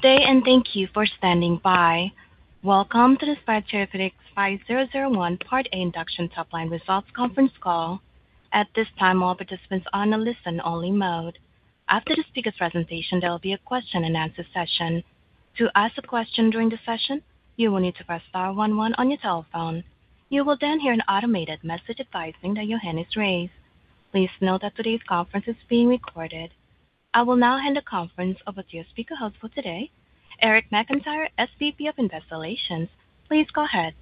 Good day and thank you for standing by. Welcome to the Spyre Therapeutics SPY001 Part A Induction Top-Line Results conference call. At this time, all participants are on a listen-only mode. After the speaker's presentation, there will be a question-and-answer session. To ask a question during the session, you will need to press star one one on your telephone. You will then hear an automated message advising that your hand is raised. Please note that today's conference is being recorded. I will now hand the conference over to your speaker host for today, Eric McIntyre, SVP of Investor Relations. Please go ahead.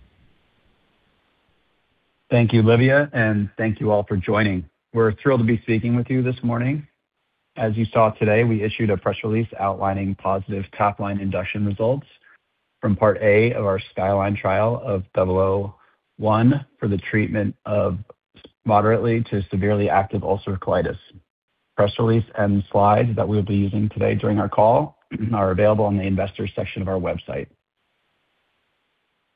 Thank you, Livia, and thank you all for joining. We're thrilled to be speaking with you this morning. As you saw today, we issued a press release outlining positive top-line induction results from Part A of our SKYLINE trial of SPY001 for the treatment of moderately to severely active ulcerative colitis. Press release and slides that we'll be using today during our call are available on the Investors section of our website.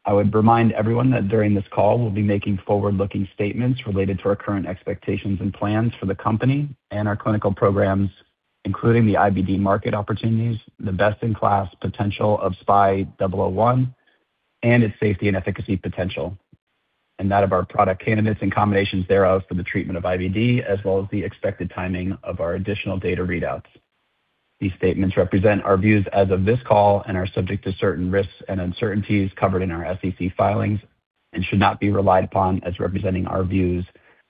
I would remind everyone that during this call, we'll be making forward-looking statements related to our current expectations and plans for the company and our clinical programs, including the IBD market opportunities, the best-in-class potential of SPY001, and its safety and efficacy potential, and that of our product candidates and combinations thereof for the treatment of IBD, as well as the expected timing of our additional data readouts. These statements represent our views as of this call and are subject to certain risks and uncertainties covered in our SEC filings and should not be relied upon as representing our views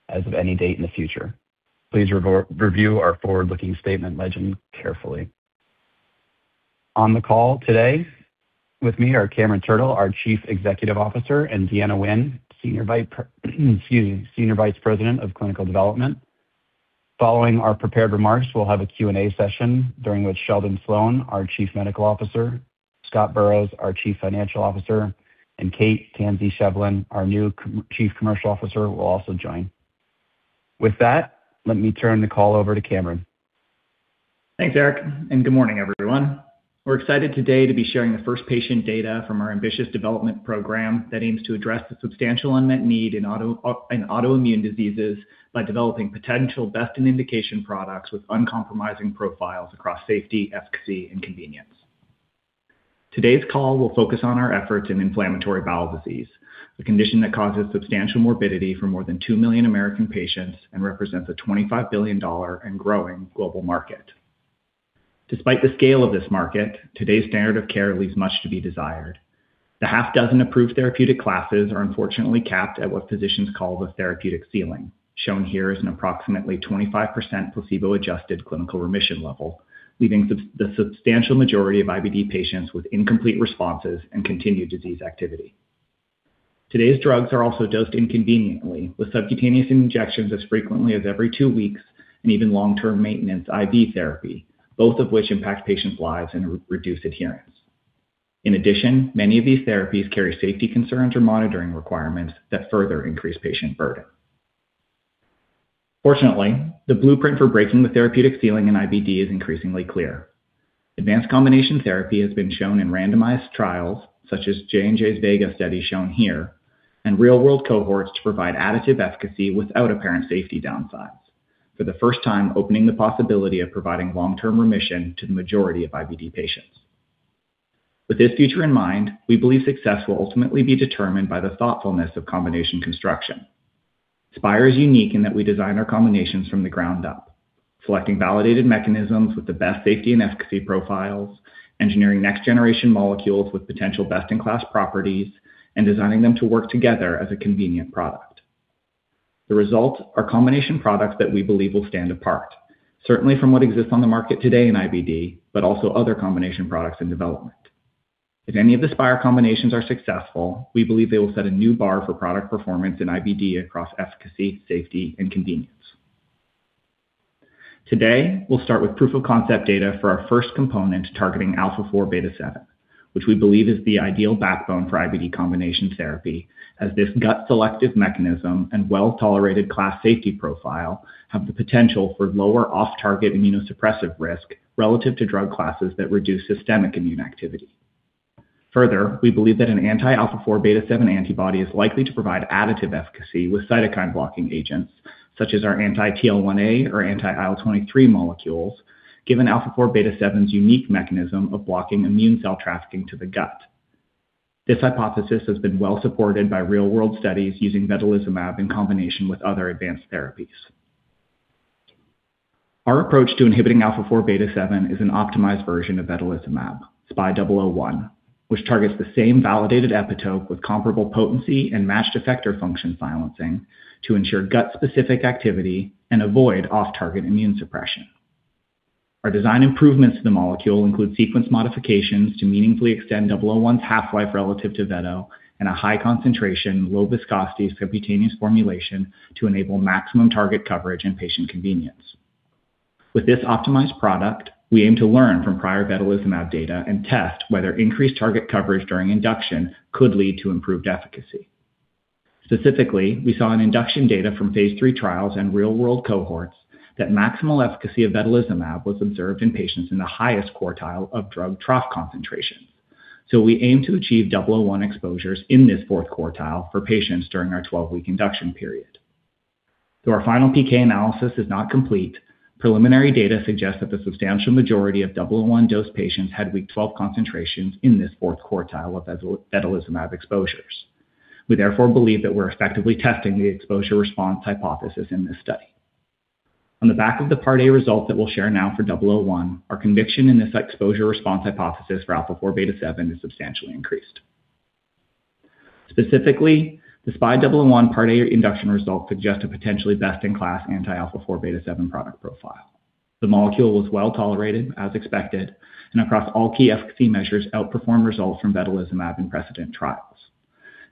as of any date in the future. Please review our forward-looking statement legend carefully. On the call today with me are Cameron Turtle, our Chief Executive Officer, and Deanna Nguyen, Senior Vice President of Clinical Development. Following our prepared remarks, we'll have a Q&A session during which Sheldon Sloan, our Chief Medical Officer, Scott Burrows, our Chief Financial Officer, and Kate Tansey-Shevlin, our new Chief Commercial Officer, will also join. With that, let me turn the call over to Cameron. Thanks, Eric, and good morning, everyone. We're excited today to be sharing the first patient data from our ambitious development program that aims to address the substantial unmet need in autoimmune diseases by developing potential best-in-indication products with uncompromising profiles across safety, efficacy, and convenience. Today's call will focus on our efforts in inflammatory bowel disease, a condition that causes substantial morbidity for more than 2 million American patients and represents a $25 billion and growing global market. Despite the scale of this market, today's standard of care leaves much to be desired. The half dozen approved therapeutic classes are unfortunately capped at what physicians call the therapeutic ceiling. Shown here is an approximately 25% placebo-adjusted clinical remission level, leaving the substantial majority of IBD patients with incomplete responses and continued disease activity. Today's drugs are also dosed inconveniently, with subcutaneous injections as frequently as every two weeks and even long-term maintenance IV therapy, both of which impact patients' lives and reduce adherence. In addition, many of these therapies carry safety concerns or monitoring requirements that further increase patient burden. Fortunately, the blueprint for breaking the therapeutic ceiling in IBD is increasingly clear. Advanced combination therapy has been shown in randomized trials such as J&J's VEGA study shown here, and real-world cohorts to provide additive efficacy without apparent safety downsides, for the first time opening the possibility of providing long-term remission to the majority of IBD patients. With this future in mind, we believe success will ultimately be determined by the thoughtfulness of combination construction. Spyre is unique in that we design our combinations from the ground up, selecting validated mechanisms with the best safety and efficacy profiles, engineering next-generation molecules with potential best-in-class properties, and designing them to work together as a convenient product. The result are combination products that we believe will stand apart, certainly from what exists on the market today in IBD, but also other combination products in development. If any of the Spyre combinations are successful, we believe they will set a new bar for product performance in IBD across efficacy, safety, and convenience. Today, we'll start with proof-of-concept data for our first component targeting alpha-4 beta-7, which we believe is the ideal backbone for IBD combination therapy, as this gut-selective mechanism and well-tolerated class safety profile have the potential for lower off-target immunosuppressive risk relative to drug classes that reduce systemic immune activity. Further, we believe that an anti-alpha-4 beta-7 antibody is likely to provide additive efficacy with cytokine-blocking agents such as our anti-TL1A or anti-IL-23 molecules, given alpha-4 beta-7's unique mechanism of blocking immune cell trafficking to the gut. This hypothesis has been well supported by real-world studies using vedolizumab in combination with other advanced therapies. Our approach to inhibiting alpha-4 beta-7 is an optimized version of vedolizumab, SPY001, which targets the same validated epitope with comparable potency and matched effector function silencing to ensure gut-specific activity and avoid off-target immune suppression. Our design improvements to the molecule include sequence modifications to meaningfully extend SPY001's half-life relative to vedo and a high-concentration, low-viscosity subcutaneous formulation to enable maximum target coverage and patient convenience. With this optimized product, we aim to learn from prior vedolizumab data and test whether increased target coverage during induction could lead to improved efficacy. Specifically, we saw in induction data from Phase 3 trials and real-world cohorts that maximal efficacy of vedolizumab was observed in patients in the highest quartile of drug trough concentration. We aim to achieve 001 exposures in this fourth quartile for patients during our 12-week induction period. Our final PK analysis is not complete. Preliminary data suggests that the substantial majority of SPY001-dose patients had week 12 concentrations in this fourth quartile of vedolizumab exposures. We therefore believe that we're effectively testing the exposure-response hypothesis in this study. On the back of the Part A result that we'll share now for 001, our conviction in this exposure-response hypothesis for alpha 4 beta 7 is substantially increased. Specifically, the SPY001 Part A induction result suggests a potentially best-in-class anti-alpha-4 beta-7 product profile. The molecule was well-tolerated as expected, and across all key efficacy measures, outperformed results from vedolizumab in precedent trials.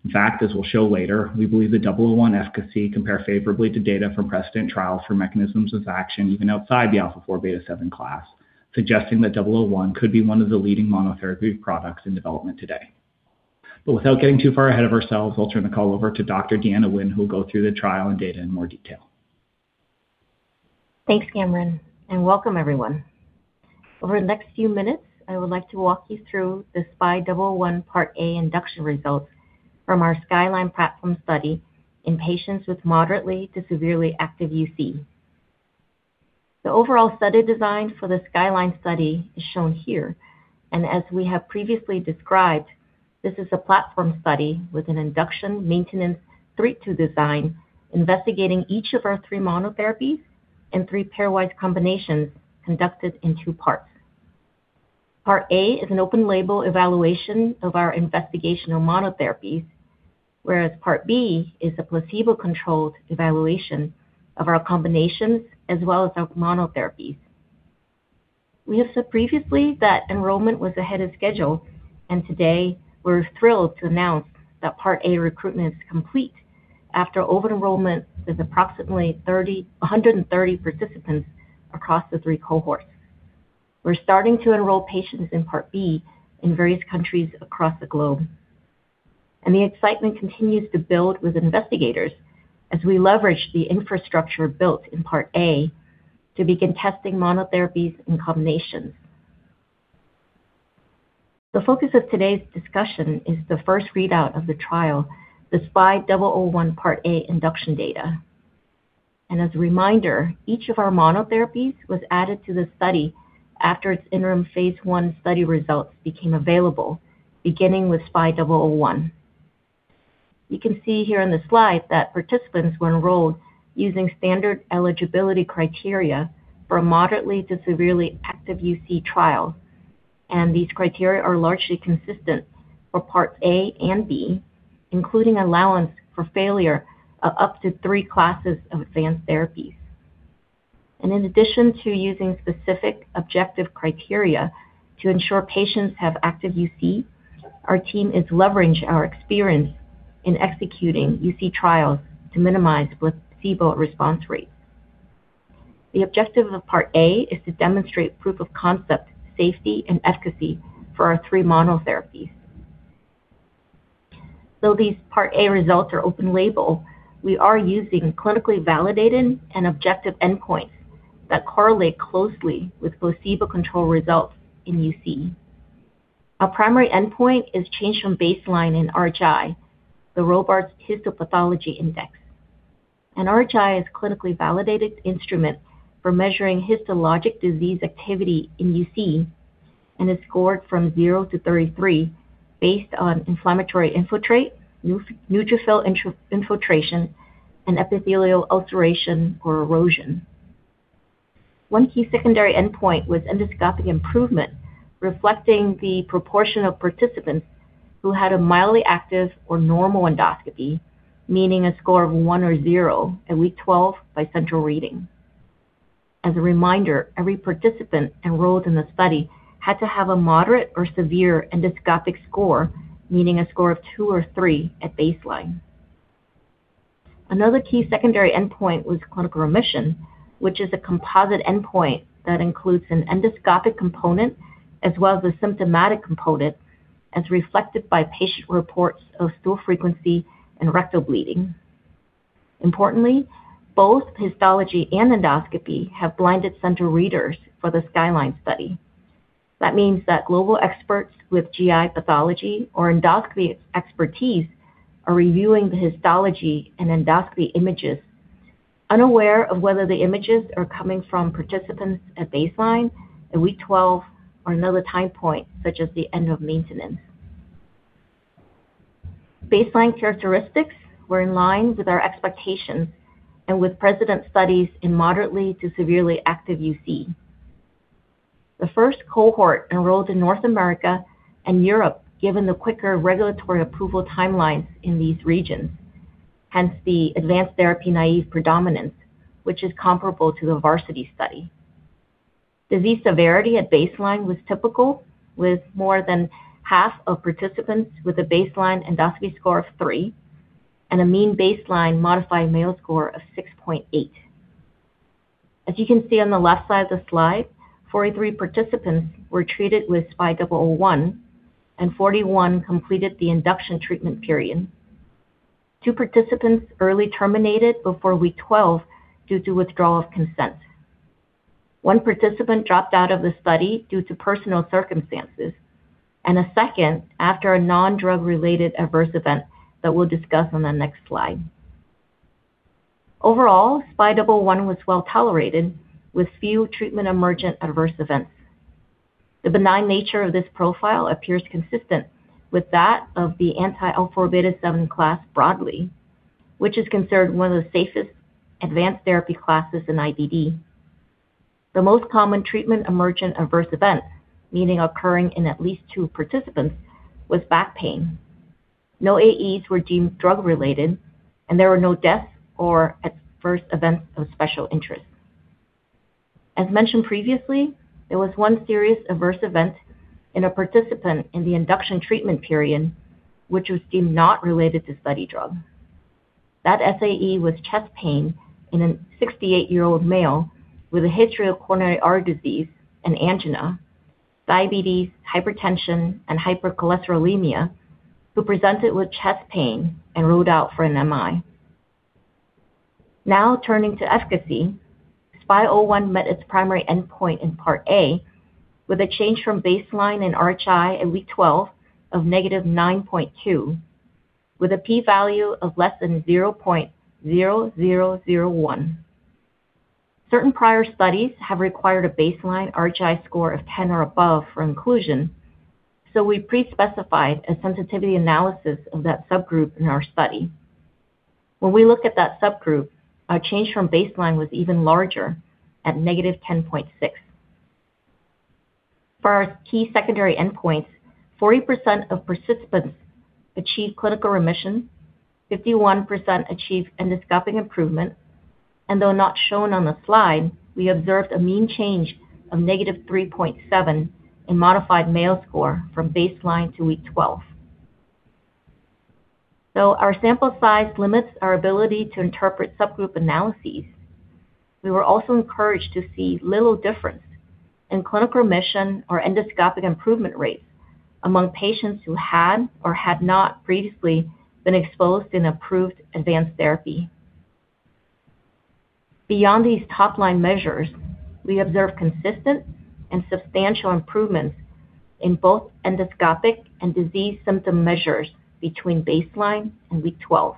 In fact, as we'll show later, we believe the SPY001 efficacy compare favorably to data from precedent trials for mechanisms of action even outside the alpha-4 beta-7 class, suggesting that 001 could be one of the leading monotherapy products in development today. Without getting too far ahead of ourselves, I'll turn the call over to Dr. Deanna Nguyen, who'll go through the trial and data in more detail. Thanks, Cameron. Welcome everyone. Over the next few minutes, I would like to walk you through the SPY001 Part A induction results from our SKYLINE platform study in patients with moderately to severely active UC. The overall study design for the SKYLINE study is shown here, and as we have previously described, this is a platform study with an induction maintenance 3-2 design investigating each of our three monotherapies and three pairwise combinations conducted in two parts. Part A is an open-label evaluation of our investigational monotherapies, whereas Part B is a placebo-controlled evaluation of our combinations as well as our monotherapies. We have said previously that enrollment was ahead of schedule, and today we're thrilled to announce that Part A recruitment is complete after open enrollment with approximately 130 participants across the three cohorts. We're starting to enroll patients in Part B in various countries across the globe. Excitement continues to build with investigators as we leverage the infrastructure built in Part A to begin testing monotherapies and combinations. The focus of today's discussion is the first readout of the trial, the SPY001 Part A induction data. As a reminder, each of our monotherapies was added to the study after its interim Phase 1 study results became available, beginning with SPY001. You can see here on the slide that participants were enrolled using standard eligibility criteria for a moderately to severely active UC trial, and these criteria are largely consistent for Parts A and B, including allowance for failure of up to three classes of advanced therapies. In addition to using specific objective criteria to ensure patients have active UC, our team is leveraging our experience in executing UC trials to minimize placebo response rates. The objective of Part A is to demonstrate proof of concept, safety, and efficacy for our three monotherapies. Though these Part A results are open-label, we are using clinically validated and objective endpoints that correlate closely with placebo control results in UC. Our primary endpoint is change from baseline in RHI, the Robarts Histopathology Index. An RHI is a clinically validated instrument for measuring histologic disease activity in UC, and is scored from zero to 33 based on inflammatory infiltrate, neutrophil infiltration, and epithelial ulceration or erosion. One key secondary endpoint was endoscopic improvement, reflecting the proportion of participants who had a mildly active or normal endoscopy, meaning a score of one or zero at week 12 by central reading. As a reminder, every participant enrolled in the study had to have a moderate or severe endoscopic score, meaning a score of two or three, at baseline. Another key secondary endpoint was clinical remission, which is a composite endpoint that includes an endoscopic component as well as a symptomatic component, as reflected by patient reports of stool frequency and rectal bleeding. Importantly, both histology and endoscopy have blinded central readers for the SKYLINE study. That means that global experts with GI pathology or endoscopy expertise are reviewing the histology and endoscopy images, unaware of whether the images are coming from participants at baseline, at week 12, or another time point, such as the end of maintenance. Baseline characteristics were in line with our expectations and with precedent studies in moderately to severely active UC. The first cohort enrolled in North America and Europe, given the quicker regulatory approval timelines in these regions, hence the advanced therapy-naïve predominance, which is comparable to the VARSITY study. Disease severity at baseline was typical, with more than half of participants with a baseline endoscopy score of three and a mean baseline modified Mayo score of 6.8. As you can see on the left side of the slide, 43 participants were treated with SPY001, and 41 completed the induction treatment period. Two participants early terminated before week 12 due to withdrawal of consent. One participant dropped out of the study due to personal circumstances, and a second after a non-drug-related adverse event that we'll discuss on the next slide. Overall, SPY001 was well-tolerated with few treatment-emergent adverse events. The benign nature of this profile appears consistent with that of the anti-alpha-4 beta-7 class broadly, which is considered one of the safest advanced therapy classes in IBD. The most common treatment-emergent adverse event, meaning occurring in at least two participants, was back pain. No AEs were deemed drug-related, and there were no deaths or adverse events of special interest. As mentioned previously, there was one serious adverse event in a participant in the induction treatment period, which was deemed not related to study drug. That SAE was chest pain in a 68-year-old male with a history of coronary artery disease and angina, diabetes, hypertension, and hypercholesterolemia, who presented with chest pain and ruled out for an MI. Now turning to efficacy, SPY001 met its primary endpoint in Part A with a change from baseline in RHI in week 12 of -9.2 with a p-value of less than 0.0001. Certain prior studies have required a baseline RHI score of 10 or above for inclusion, so we pre-specified a sensitivity analysis of that subgroup in our study. When we looked at that subgroup, our change from baseline was even larger at -10.6. For our key secondary endpoints, 40% of participants achieved clinical remission, 51% achieved endoscopic improvement, and though not shown on the slide, we observed a mean change of -3.7 in modified Mayo score from baseline to week 12. Though our sample size limits our ability to interpret subgroup analyses, we were also encouraged to see little difference in clinical remission or endoscopic improvement rates among patients who had or had not previously been exposed in approved advanced therapy. Beyond these top-line measures, we observed consistent and substantial improvements in both endoscopic and disease symptom measures between baseline and week 12.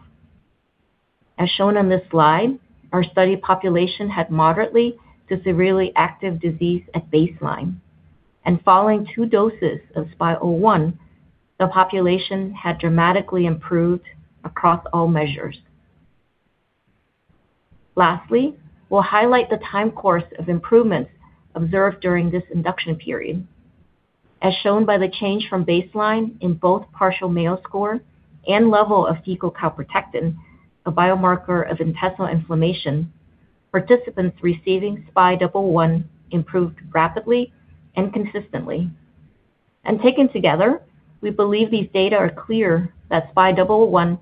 As shown on this slide, our study population had moderately to severely active disease at baseline, and following two doses of SPY001, the population had dramatically improved across all measures. Lastly, we'll highlight the time course of improvements observed during this induction period. As shown by the change from baseline in both partial Mayo Score and level of fecal calprotectin, a biomarker of intestinal inflammation, participants receiving SPY001 improved rapidly and consistently. Taken together, we believe these data are clear that SPY001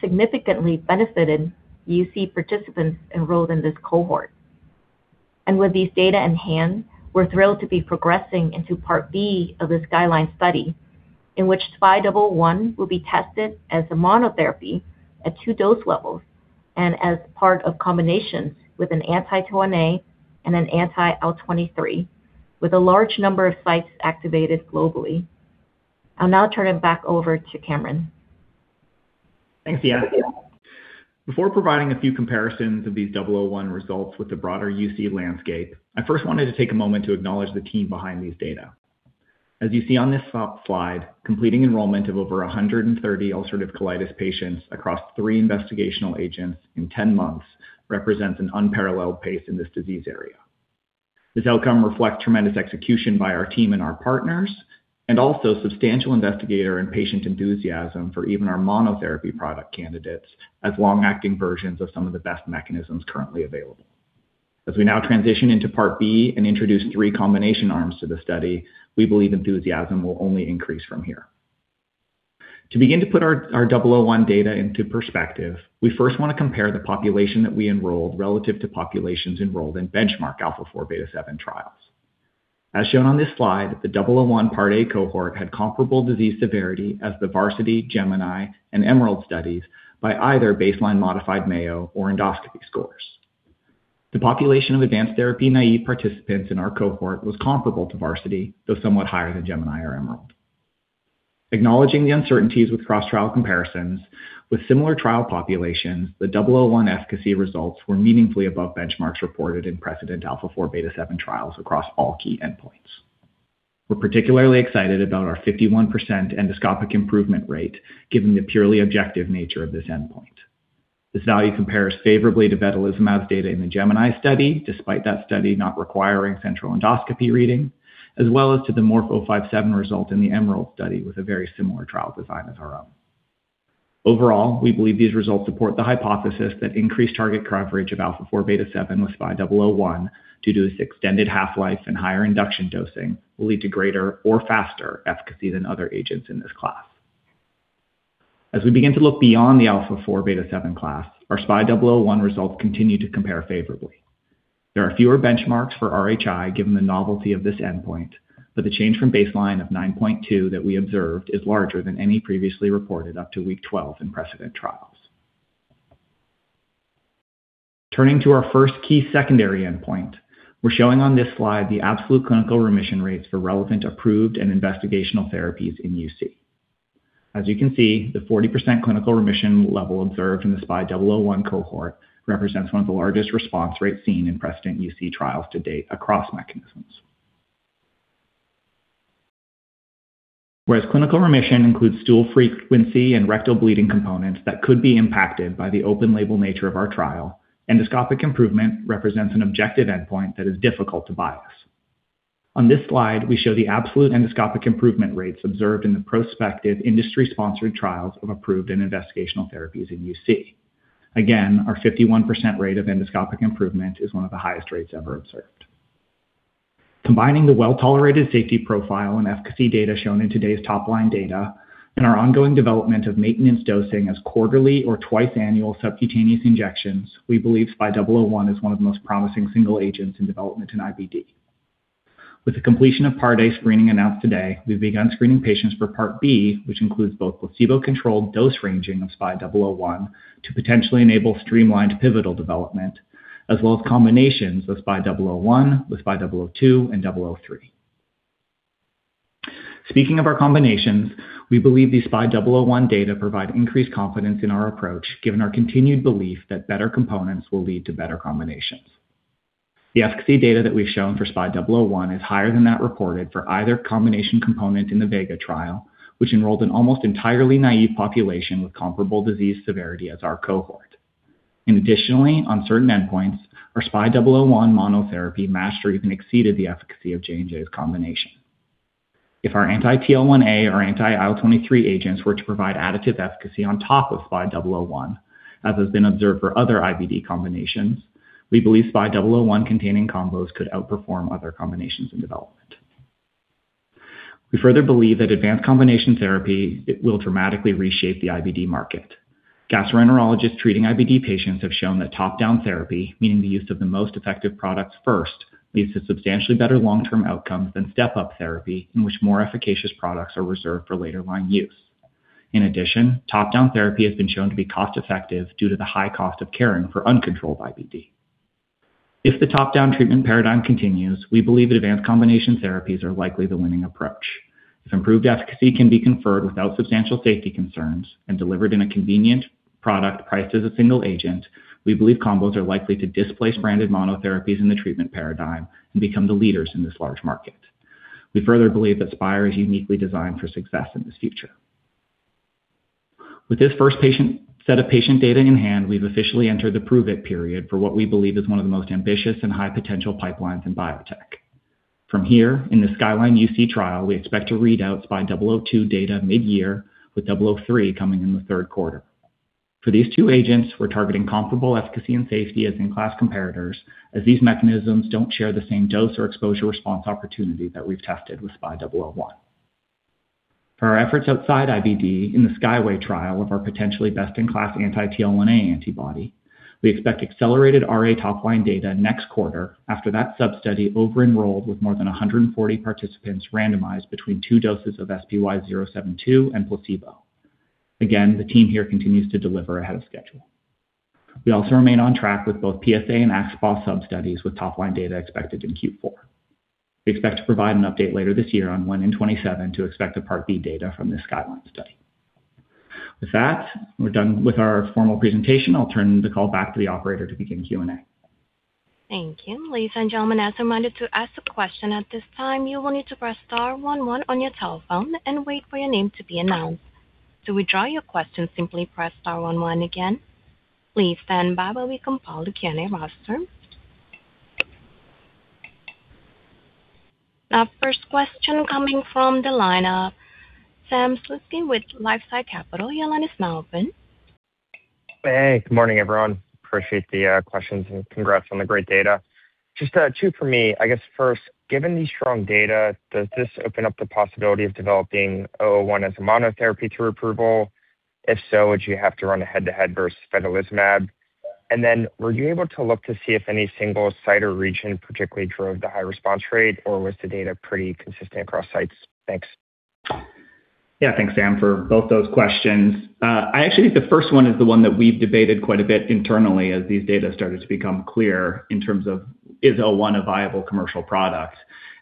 significantly benefited UC participants enrolled in this cohort. With these data in hand, we're thrilled to be progressing into Part B of the SKYLINE study, in which SPY001 will be tested as a monotherapy at two dose levels and as part of combinations with an anti-TL1A and an anti-IL-23, with a large number of sites activated globally. I'll now turn it back over to Cameron. Thanks, Deanna. Before providing a few comparisons of these SPY001 results with the broader UC landscape, I first wanted to take a moment to acknowledge the team behind these data. As you see on this slide, completing enrollment of over 130 ulcerative colitis patients across three investigational agents in 10 months represents an unparalleled pace in this disease area. This outcome reflects tremendous execution by our team and our partners, and also substantial investigator and patient enthusiasm for even our monotherapy product candidates, as long-acting versions of some of the best mechanisms currently available. As we now transition into Part B and introduce three combination arms to the study, we believe enthusiasm will only increase from here. To begin to put our SPY001 data into perspective, we first want to compare the population that we enrolled relative to populations enrolled in benchmark alpha-4 beta-7 trials. As shown on this slide, the SPY001 Part A cohort had comparable disease severity as the VARSITY, GEMINI, and EMERALD studies by either baseline modified Mayo or endoscopy scores. The population of advanced therapy naive participants in our cohort was comparable to VARSITY, though somewhat higher than GEMINI or EMERALD. Acknowledging the uncertainties with cross-trial comparisons with similar trial populations, the SPY001 efficacy results were meaningfully above benchmarks reported in precedent alpha-four beta-seven trials across all key endpoints. We're particularly excited about our 51% endoscopic improvement rate, given the purely objective nature of this endpoint. This value compares favorably to vedolizumab's data in the GEMINI study, despite that study not requiring central endoscopy reading, as well as to the MORF-057 result in the EMERALD study with a very similar trial design as our own. Overall, we believe these results support the hypothesis that increased target coverage of alpha-4 beta-7 with SPY001, due to its extended half-life and higher induction dosing, will lead to greater or faster efficacy than other agents in this class. As we begin to look beyond the alpha-4 beta-7 class, our SPY001 results continue to compare favorably. There are fewer benchmarks for RHI given the novelty of this endpoint, but the change from baseline of 9.2 that we observed is larger than any previously reported up to week 12 in precedent trials. Turning to our first key secondary endpoint, we're showing on this slide the absolute clinical remission rates for relevant approved and investigational therapies in UC. As you can see, the 40% clinical remission level observed in the SPY001 cohort represents one of the largest response rates seen in precedent UC trials to date across mechanisms. Whereas clinical remission includes stool frequency and rectal bleeding components that could be impacted by the open-label nature of our trial, endoscopic improvement represents an objective endpoint that is difficult to bias. On this slide, we show the absolute endoscopic improvement rates observed in the prospective industry-sponsored trials of approved and investigational therapies in UC. Again, our 51% rate of endoscopic improvement is one of the highest rates ever observed. Combining the well-tolerated safety profile and efficacy data shown in today's top-line data and our ongoing development of maintenance dosing as quarterly or twice-annual subcutaneous injections, we believe SPY001 is one of the most promising single agents in development in IBD. With the completion of Part A screening announced today, we've begun screening patients for Part B, which includes both placebo-controlled dose-ranging of SPY001 to potentially enable streamlined pivotal development, as well as combinations of SPY001 with SPY002 and SPY003. Speaking of our combinations, we believe these SPY001 data provide increased confidence in our approach, given our continued belief that better components will lead to better combinations. The efficacy data that we've shown for SPY001 is higher than that reported for either combination component in the VEGA trial, which enrolled an almost entirely naive population with comparable disease severity as our cohort. Additionally, on certain endpoints, our SPY001 monotherapy matched or even exceeded the efficacy of J&J's combination. If our anti-TL1A or anti-IL-23 agents were to provide additive efficacy on top of SPY001, as has been observed for other IBD combinations, we believe SPY001-containing combos could outperform other combinations in development. We further believe that advanced combination therapy will dramatically reshape the IBD market. Gastroenterologists treating IBD patients have shown that top-down therapy, meaning the use of the most effective products first, leads to substantially better long-term outcomes than step-up therapy, in which more efficacious products are reserved for later-line use. In addition, top-down therapy has been shown to be cost-effective due to the high cost of caring for uncontrolled IBD. If the top-down treatment paradigm continues, we believe that advanced combination therapies are likely the winning approach. If improved efficacy can be conferred without substantial safety concerns and delivered in a convenient product priced as a single agent, we believe combos are likely to displace branded monotherapies in the treatment paradigm and become the leaders in this large market. We further believe that Spyre is uniquely designed for success in this future. With this first set of patient data in hand, we've officially entered the prove-it period for what we believe is one of the most ambitious and high potential pipelines in biotech. From here, in the SKYLINE UC trial, we expect to read out SPY002 data mid-year with SPY003 coming in the third quarter. For these two agents, we're targeting comparable efficacy and safety as in-class comparators, as these mechanisms don't share the same dose or exposure response opportunity that we've tested with SPY001. For our efforts outside IBD in the SKYWAY trial of our potentially best-in-class anti-TL1A antibody, we expect accelerated RA top-line data next quarter after that sub-study over-enrolled with more than 140 participants randomized between two doses of SPY072 and placebo. Again, the team here continues to deliver ahead of schedule. We also remain on track with both PSA and AS/PsO sub-studies, with top-line data expected in Q4. We expect to provide an update later this year on 127 to expect the Part B data from the SKYLINE study. With that, we're done with our formal presentation. I'll turn the call back to the operator to begin Q&A. Thank you. Ladies and gentlemen, as a reminder, to ask a question at this time, you will need to press star one one on your telephone and wait for your name to be announced. To withdraw your question, simply press star one one again. Please stand by while we compile the Q&A roster. Our first question coming from the line of Sam Slutsky with LifeSci Capital. Your line is now open. Hey, good morning, everyone. Appreciate the questions and congrats on the great data. Just two for me. I guess, first, given the strong data, does this open up the possibility of developing SPY001 as a monotherapy to approval? If so, would you have to run a head-to-head versus vedolizumab? Were you able to look to see if any single site or region particularly drove the high response rate, or was the data pretty consistent across sites? Thanks. Yeah. Thanks, Sam, for both those questions. I actually think the first one is the one that we've debated quite a bit internally as these data started to become clear in terms of is SPY001 a viable commercial product.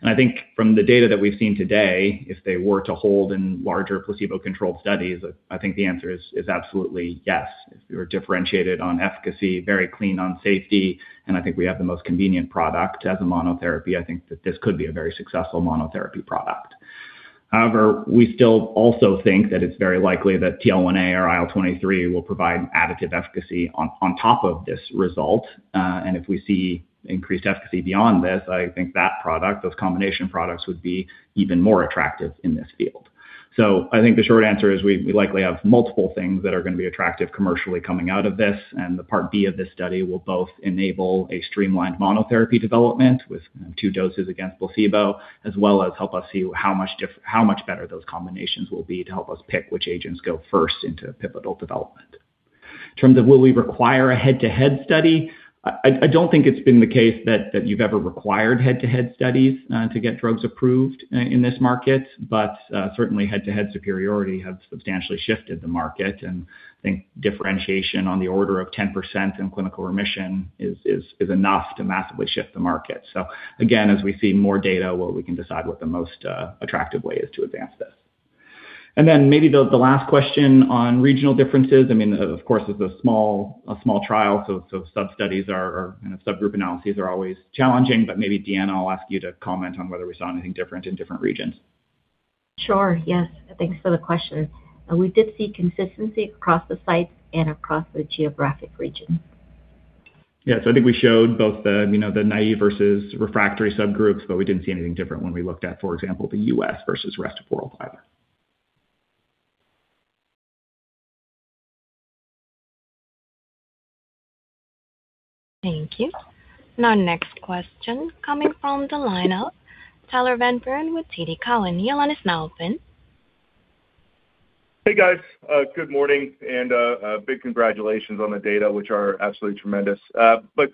I think from the data that we've seen today, if they were to hold in larger placebo-controlled studies, I think the answer is absolutely yes. If we were differentiated on efficacy, very clean on safety, and I think we have the most convenient product as a monotherapy, I think that this could be a very successful monotherapy product. However, we still also think that it's very likely that TL1A or IL-23 will provide additive efficacy on top of this result. If we see increased efficacy beyond this, I think that product, those combination products, would be even more attractive in this field. I think the short answer is we likely have multiple things that are going to be attractive commercially coming out of this, and the Part B of this study will both enable a streamlined monotherapy development with two doses against placebo, as well as help us see how much better those combinations will be to help us pick which agents go first into pivotal development. In terms of will we require a head-to-head study, I don't think it's been the case that you've ever required head-to-head studies to get drugs approved in this market, but certainly head-to-head superiority has substantially shifted the market. I think differentiation on the order of 10% in clinical remission is enough to massively shift the market. Again, as we see more data, we can decide what the most attractive way is to advance this. Maybe the last question on regional differences. Of course, it's a small trial, so sub-studies or kind of subgroup analyses are always challenging, but maybe Deanna, I'll ask you to comment on whether we saw anything different in different regions. Sure. Yes. Thanks for the question. We did see consistency across the sites and across the geographic regions. Yes. I think we showed both the naive versus refractory subgroups, but we didn't see anything different when we looked at, for example, the U.S. versus rest of world either. Thank you. Now next question coming from the line of Tyler Van Buren with TD Cowen. Your line is now open. Hey, guys. Good morning and big congratulations on the data, which are absolutely tremendous. Can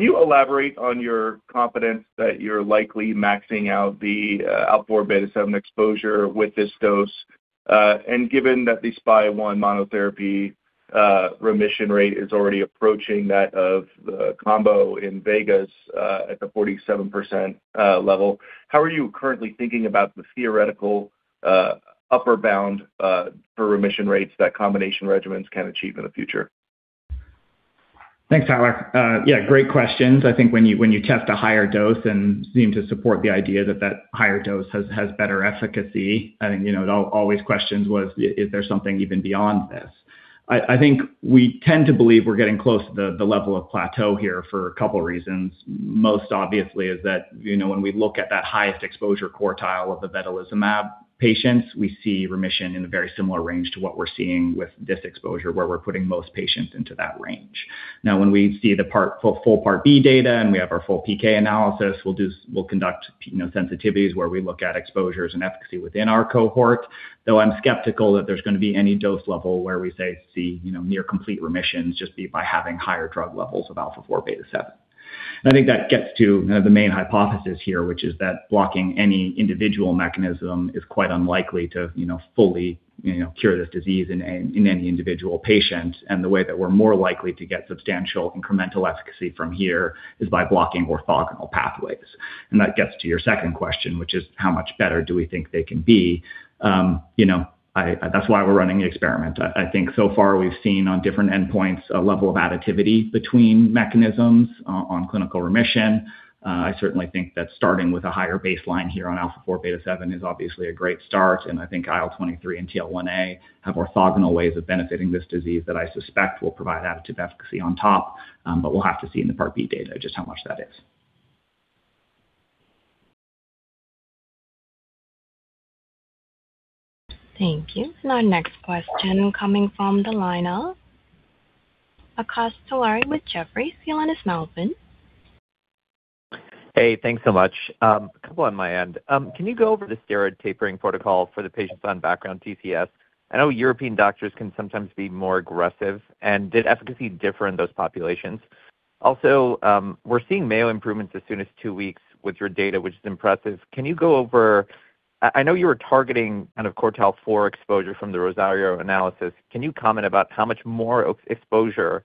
you elaborate on your confidence that you're likely maxing out the alpha-4 beta-7 exposure with this dose? Given that the SPY001 monotherapy remission rate is already approaching that of the combo in VEGA at the 47% level, how are you currently thinking about the theoretical upper bound for remission rates that combination regimens can achieve in the future? Thanks, Tyler. Yeah, great questions. I think when you test a higher dose and seem to support the idea that that higher dose has better efficacy, I think all these questions was, is there something even beyond this? I think we tend to believe we're getting close to the level of plateau here for a couple reasons. Most obviously is that when we look at that highest exposure quartile of the vedolizumab patients, we see remission in a very similar range to what we're seeing with this exposure, where we're putting most patients into that range. Now when we see the full Part B data and we have our full PK analysis, we'll conduct sensitivities where we look at exposures and efficacy within our cohort, though I'm skeptical that there's going to be any dose level where we see near complete remissions just by having higher drug levels of alpha-4 beta-7. I think that gets to the main hypothesis here, which is that blocking any individual mechanism is quite unlikely to fully cure this disease in any individual patient. The way that we're more likely to get substantial incremental efficacy from here is by blocking orthogonal pathways. That gets to your second question, which is how much better do we think they can be? That's why we're running the experiment. I think so far we've seen on different endpoints, a level of additivity between mechanisms on clinical remission. I certainly think that starting with a higher baseline here on alpha-4 beta-7 is obviously a great start, and I think IL-23 and TL1A have orthogonal ways of benefiting this disease that I suspect will provide additive efficacy on top. We'll have to see in the Part B data just how much that is. Thank you. Now next question coming from the line of Akash Tewari with Jefferies. Your line is now open. Hey, thanks so much. A couple on my end. Can you go over the steroid tapering protocol for the patients on background TCS? I know European doctors can sometimes be more aggressive. Did efficacy differ in those populations? Also, we're seeing Mayo improvements as soon as two weeks with your data, which is impressive. I know you were targeting kind of quartile four exposure from the [SOLARIO] analysis. Can you comment about how much more exposure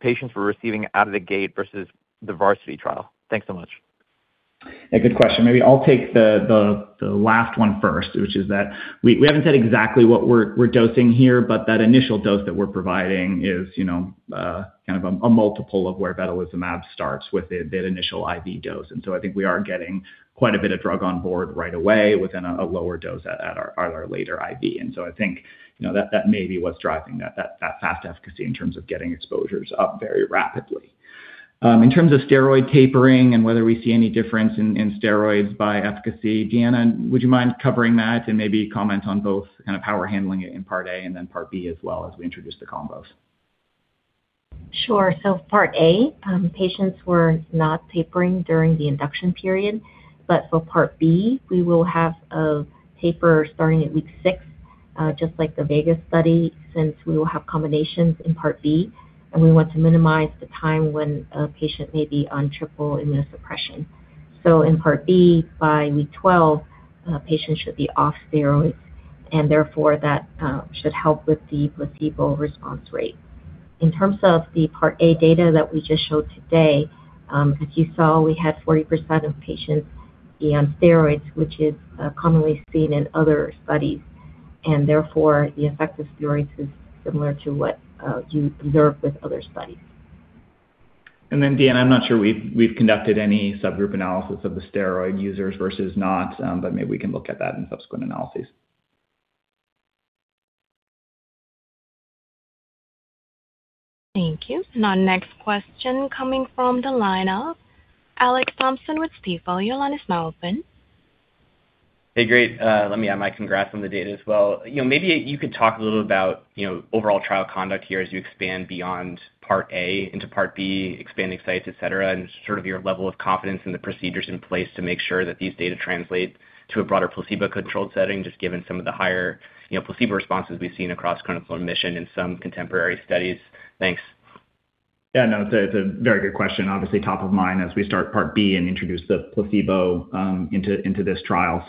patients were receiving out of the gate versus the VARSITY trial? Thanks so much. Yeah, good question. Maybe I'll take the last one first, which is that we haven't said exactly what we're dosing here, but that initial dose that we're providing is kind of a multiple of where vedolizumab starts with that initial IV dose. I think we are getting quite a bit of drug on board right away with a lower dose at our later IV. I think that may be what's driving that fast efficacy in terms of getting exposures up very rapidly. In terms of steroid tapering and whether we see any difference in steroids by efficacy, Deanna, would you mind covering that and maybe comment on both kind of how we're handling it in Part A and then Part B as well as we introduce the combos? Sure. Part A, patients were not tapering during the induction period, but for Part B, we will have a taper starting at week six, just like the VEGA study, since we will have combinations in Part B, and we want to minimize the time when a patient may be on triple immunosuppression. In Part B, by week 12, patients should be off steroids, and therefore that should help with the placebo response rate. In terms of the Part A data that we just showed today, as you saw, we had 40% of patients be on steroids, which is commonly seen in other studies, and therefore the effect of steroids is similar to what you observe with other studies. Deanna, I'm not sure we've conducted any subgroup analysis of the steroid users versus not, but maybe we can look at that in subsequent analyses. Thank you. Now next question coming from the line of Alex Thompson with Stifel. Your line is now open. Hey, great. Let me add my congrats on the data as well. Maybe you could talk a little about overall trial conduct here as you expand beyond Part A into Part B, expanding sites, et cetera, and sort of your level of confidence in the procedures in place to make sure that these data translate to a broader placebo-controlled setting, just given some of the higher placebo responses we've seen across clinical remission in some contemporary studies? Thanks. Yeah, no, it's a very good question. Obviously top of mind as we start Part B and introduce the placebo into this trial.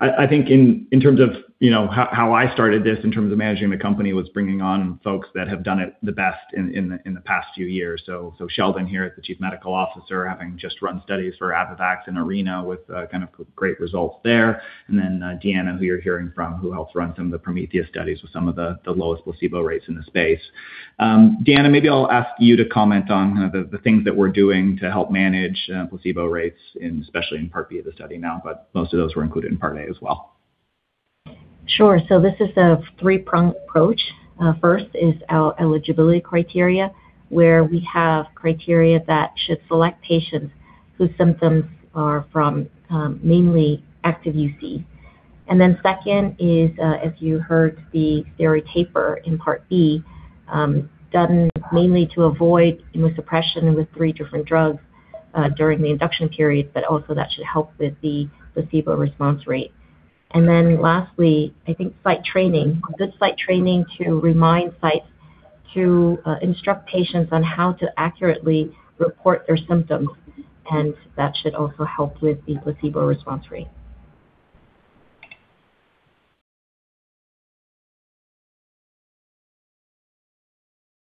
I think in terms of how I started this in terms of managing the company, was bringing on folks that have done it the best in the past few years. Sheldon here, the Chief Medical Officer, having just run studies for AbbVie and Arena with kind of great results there. Deanna, who you're hearing from, who helps run some of the Prometheus studies with some of the lowest placebo rates in the space. Deanna, maybe I'll ask you to comment on the things that we're doing to help manage placebo rates, especially in Part B of the study now, but most of those were included in Part A as well. Sure. This is a three-pronged approach. First is our eligibility criteria, where we have criteria that should select patients whose symptoms are from mainly active UC. Second is, if you heard the steroid taper in Part B, done mainly to avoid immunosuppression with three different drugs during the induction period, but also that should help with the placebo response rate. Lastly, I think site training, good site training to remind sites to instruct patients on how to accurately report their symptoms, and that should also help with the placebo response rate.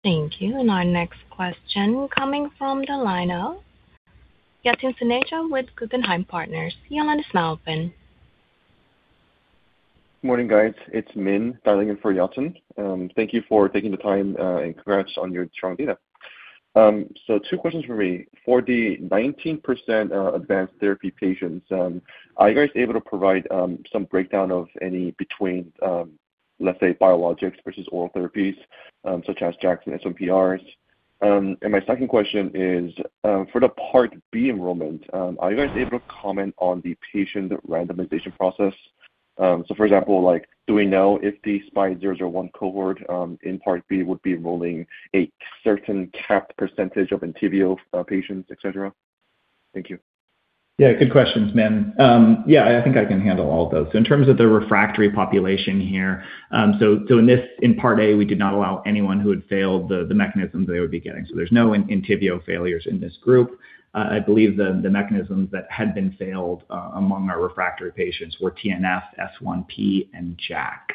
Thank you. Our next question coming from the line of Yatin Suneja with Guggenheim Securities. Your line is now open. Morning, guys. It's Min dialing in for Yatin. Thank you for taking the time, and congrats on your strong data. Two questions from me. For the 19% advanced therapy patients, are you guys able to provide some breakdown of any between, let's say, biologics versus oral therapies such as JAK and S1Ps? My second question is for the Part B enrollment, are you guys able to comment on the patient randomization process? For example, do we know if the SPY001 cohort in Part B would be enrolling a certain capped percentage of Entyvio patients, et cetera? Thank you. Yeah, good questions, Min. Yeah, I think I can handle all of those. In terms of the refractory population here, in Part A, we did not allow anyone who had failed the mechanism they would be getting. There's no Entyvio failures in this group. I believe the mechanisms that had been failed among our refractory patients were TNF, S1P, and JAK,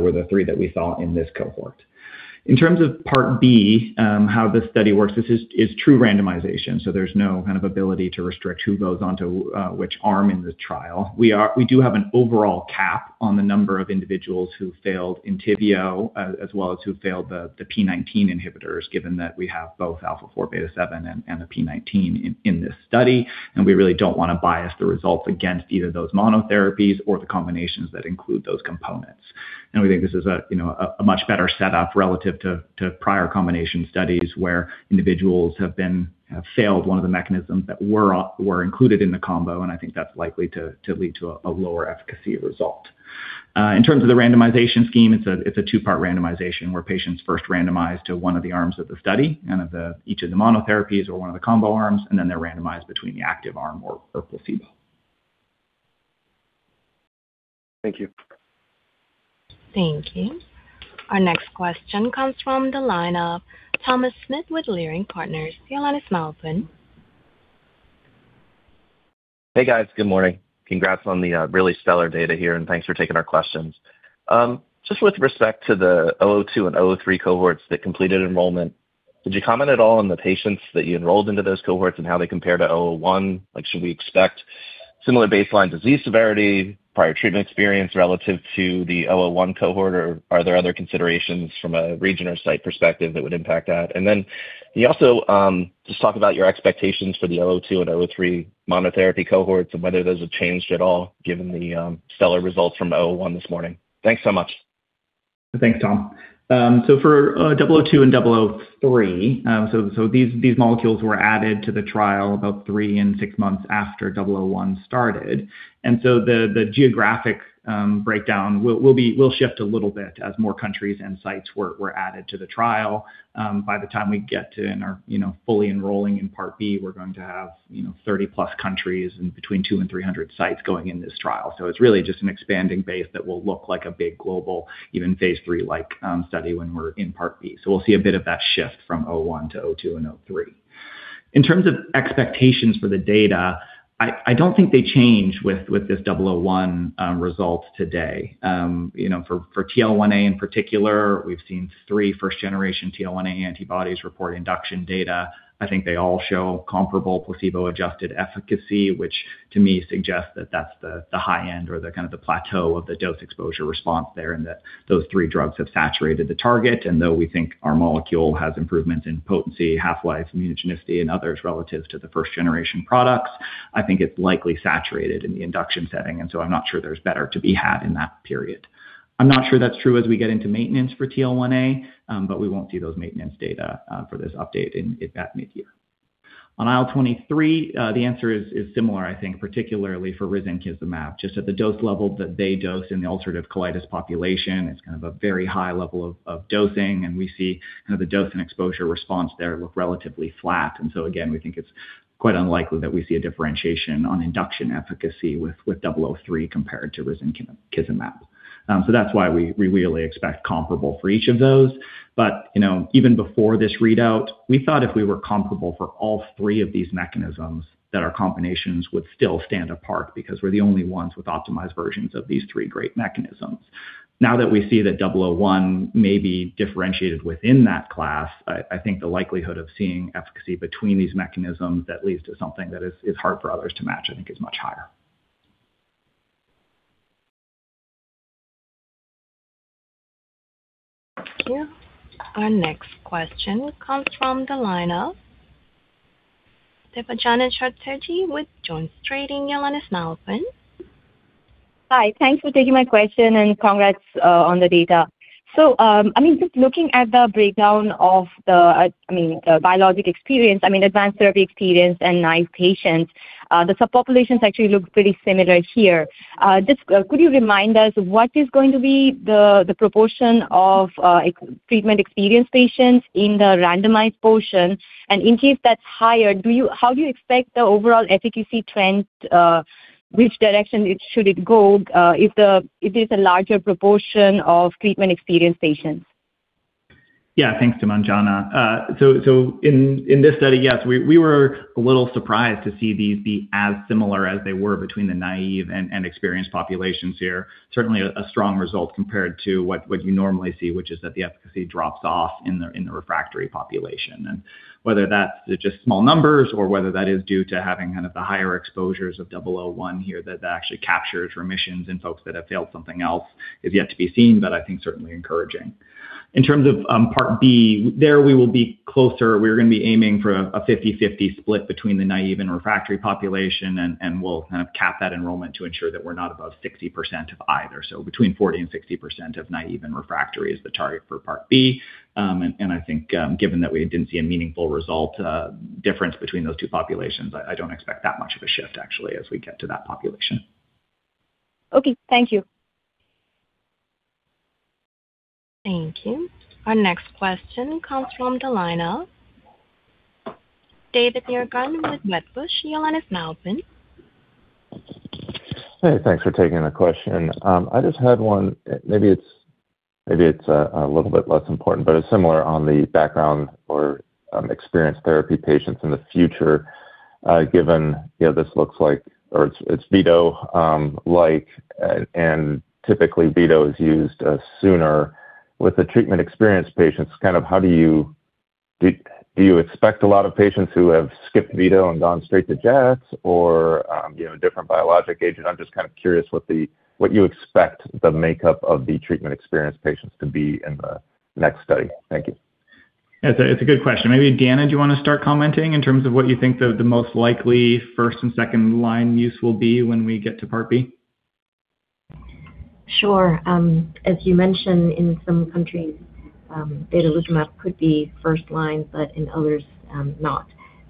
were the three that we saw in this cohort. In terms of Part B, how this study works, this is true randomization. There's no kind of ability to restrict who goes onto which arm in the trial. We do have an overall cap on the number of individuals who failed Entyvio as well as who failed the P19 inhibitors, given that we have both alpha-4 beta-7 and the P19 in this study, and we really don't want to bias the results against either those monotherapies or the combinations that include those components. And we think this is a much better setup relative to prior combination studies where individuals have failed one of the mechanisms that were included in the combo, and I think that's likely to lead to a lower efficacy result. In terms of the randomization scheme, it's a two-part randomization where patients first randomized to one of the arms of the study and of each of the monotherapies or one of the combo arms, and then they're randomized between the active arm or placebo. Thank you. Thank you. Our next question comes from the line of Thomas Smith with Leerink Partners. Your line is now open. Hey, guys. Good morning. Congrats on the really stellar data here, and thanks for taking our questions. Just with respect to the SPY002 and SPY003 cohorts that completed enrollment, did you comment at all on the patients that you enrolled into those cohorts and how they compare to SPY001? Should we expect similar baseline disease severity, prior treatment experience relative to the SPY001 cohort? Are there other considerations from a region or site perspective that would impact that? Can you also just talk about your expectations for the SPY002 and SPY003 monotherapy cohorts and whether those have changed at all given the stellar results from SPY001 this morning? Thanks so much. For SPY002 and SPY003, these molecules were added to the trial about three and six months after SPY001 started. The geographic breakdown will shift a little bit as more countries and sites were added to the trial. By the time we get to and are fully enrolling in Part B, we're going to have 30+ countries and between 200 and 300 sites going in this trial. It's really just an expanding base that will look like a big global even Phase 3-like study when we're in Part B. We'll see a bit of that shift from SPY001 to SPY002 and SPY003. In terms of expectations for the data, I don't think they change with this SPY001 results today. For TL1A in particular, we've seen three first-generation TL1A antibodies report induction data. I think they all show comparable placebo-adjusted efficacy, which to me suggests that that's the high end or the kind of the plateau of the dose-exposure response there and that those three drugs have saturated the target. Though we think our molecule has improvements in potency, half-life, immunogenicity, and others relative to the first-generation products, I think it's likely saturated in the induction setting, and so I'm not sure there's better to be had in that period. I'm not sure that's true as we get into maintenance for TL1A, but we won't see those maintenance data for this update at mid-year. On IL-23, the answer is similar I think, particularly for risankizumab. Just at the dose level that they dose in the ulcerative colitis population, it's kind of a very high level of dosing, and we see the dose- and exposure-response there look relatively flat. Again, we think it's quite unlikely that we see a differentiation on induction efficacy with SPY003 compared to risankizumab. That's why we really expect comparable for each of those. Even before this readout, we thought if we were comparable for all three of these mechanisms, that our combinations would still stand apart because we're the only ones with optimized versions of these three great mechanisms. Now that we see that SPY001 may be differentiated within that class, I think the likelihood of seeing efficacy between these mechanisms that leads to something that is hard for others to match, I think, is much higher. Thank you. Our next question comes from the line of Debanjana Chatterjee with JonesTrading. Your line is now open. Hi. Thanks for taking my question and congrats on the data. Just looking at the breakdown of the biologic experience, advanced therapy experience in naive patients, the subpopulations actually look pretty similar here. Could you remind us what is going to be the proportion of treatment experienced patients in the randomized portion? In case that's higher, how do you expect the overall efficacy trend? Which direction should it go if there's a larger proportion of treatment experienced patients? Yeah. Thanks, Debanjana. In this study, yes, we were a little surprised to see these be as similar as they were between the naive and experienced populations here. Certainly a strong result compared to what you normally see, which is that the efficacy drops off in the refractory population. Whether that's just small numbers or whether that is due to having kind of the higher exposures of SPY001 here that actually captures remissions in folks that have failed something else is yet to be seen, but I think certainly encouraging. In terms of Part B, there we will be closer. We're going to be aiming for a 50/50 split between the naive and refractory population, and we'll kind of cap that enrollment to ensure that we're not above 60% of either. Between 40% and 60% of naive and refractory is the target for Part B. I think, given that we didn't see a meaningful result difference between those two populations, I don't expect that much of a shift actually as we get to that population. Okay. Thank you. Thank you. Our next question comes from the line of David Nierengarten with Wedbush. Your line is now open. Hey, thanks for taking the question. I just had one. Maybe it's a little bit less important, but it's similar on the background for experienced therapy patients in the future, given this looks like or it's vedo-like, and typically vedo is used sooner with the treatment-experienced patients. Do you expect a lot of patients who have skipped vedo and gone straight to JAKs or a different biologic agent? I'm just kind of curious what you expect the makeup of the treatment-experienced patients to be in the next study. Thank you. It's a good question. Maybe, Deanna, do you want to start commenting in terms of what you think the most likely first and second-line use will be when we get to Part B? Sure. As you mentioned, in some countries, vedolizumab could be first line, but in others, not.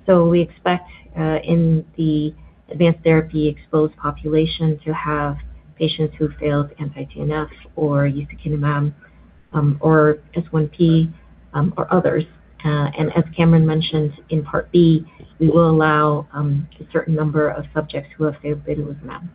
We expect, in the advanced therapy exposed population, to have patients who failed anti-TNF or ustekinumab, or S1P, or others. As Cameron mentioned, in Part B, we will allow a certain number of subjects who have failed vedolizumab.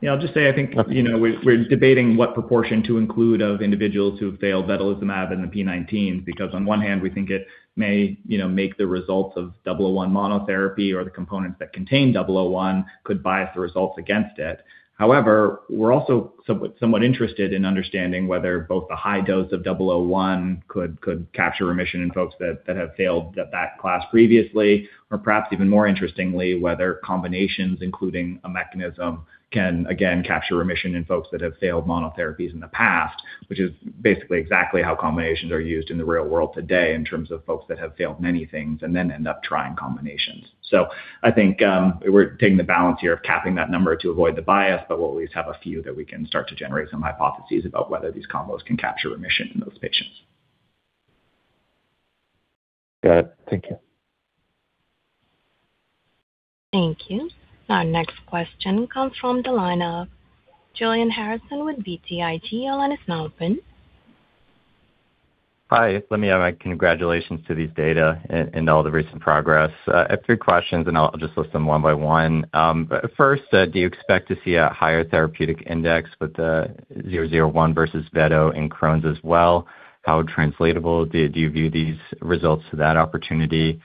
Yeah, I'll just say, I think we're debating what proportion to include of individuals who've failed vedolizumab in the P19 because, on one hand, we think it may make the results of SPY001 monotherapy or the components that contain SPY001 could bias the results against it. However, we're also somewhat interested in understanding whether both the high dose of SPY001 could capture remission in folks that have failed that class previously, or perhaps even more interestingly, whether combinations including a mechanism can again capture remission in folks that have failed monotherapies in the past, which is basically exactly how combinations are used in the real world today in terms of folks that have failed many things and then end up trying combinations. I think we're taking the balance here of capping that number to avoid the bias, but we'll at least have a few that we can start to generate some hypotheses about whether these combos can capture remission in those patients. Got it. Thank you. Thank you. Our next question comes from the line of Julian Harrison with BTIG. Your line is now open. Hi. Let me add my congratulations to these data and all the recent progress. I have three questions, and I'll just list them one-by-one. First, do you expect to see a higher therapeutic index with the SPY001 versus vedo in Crohn's as well? How translatable do you view these results to that opportunity?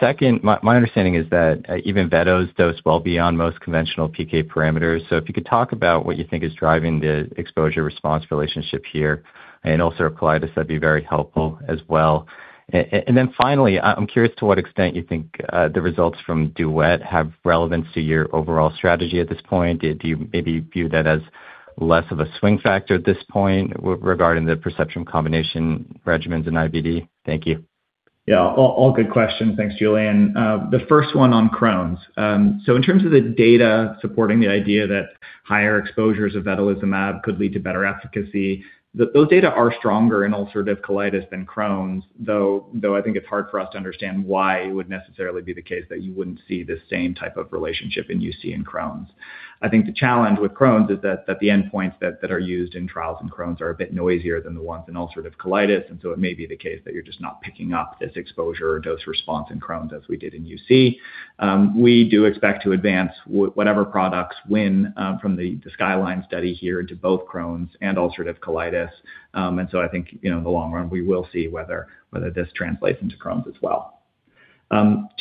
Second, my understanding is that even vedo is dosed well beyond most conventional PK parameters. So if you could talk about what you think is driving the exposure-response relationship here and ulcerative colitis, that'd be very helpful as well. And then finally, I'm curious to what extent you think the results from DUET have relevance to your overall strategy at this point. Do you maybe view that as less of a swing factor at this point regarding the perception combination regimens in IBD? Thank you. Yeah. All good questions. Thanks, Julian. The first one on Crohn's. In terms of the data supporting the idea that higher exposures of vedolizumab could lead to better efficacy, those data are stronger in ulcerative colitis than Crohn's, though I think it's hard for us to understand why it would necessarily be the case that you wouldn't see the same type of relationship in UC and Crohn's. I think the challenge with Crohn's is that the endpoints that are used in trials in Crohn's are a bit noisier than the ones in ulcerative colitis, and so it may be the case that you're just not picking up this exposure or dose response in Crohn's as we did in UC. We do expect to advance whatever products win from the SKYLINE study here to both Crohn's and ulcerative colitis. I think in the long run, we will see whether this translates into Crohn's as well.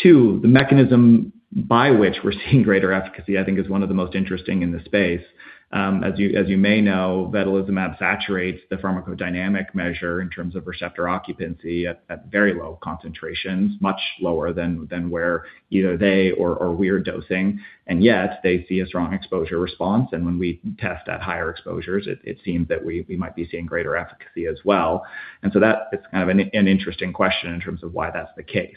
Two, the mechanism by which we're seeing greater efficacy, I think, is one of the most interesting in the space. As you may know, vedolizumab saturates the pharmacodynamic measure in terms of receptor occupancy at very low concentrations, much lower than where either they or we are dosing. Yet they see a strong exposure response, and when we test at higher exposures, it seems that we might be seeing greater efficacy as well. That is kind of an interesting question in terms of why that's the case.